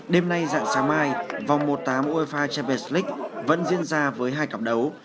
đêm nay dạng sáng mai vòng một tám uefa champions league vẫn diễn ra với hai cặp đấu